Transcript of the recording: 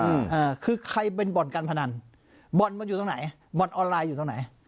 อ่าคือใครเป็นบ่อนการพนันบ่อนมันอยู่ตรงไหนบ่อนออนไลน์อยู่ตรงไหน